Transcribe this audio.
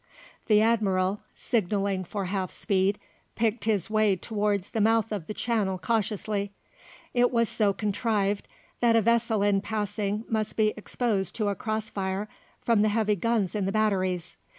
The Admiral, signalling for half speed, picked his way towards the mouth of the channel cautiously. It was so contrived that a vessel in passing must be exposed to a cross fire from the heavy guns in the batteries.